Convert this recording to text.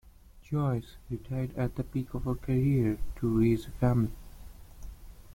Joyce retired at the peak of her career to raise a family.